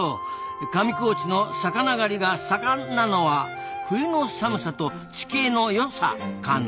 上高地の魚狩りが「盛んな」のは冬の寒さと地形の良「さかな」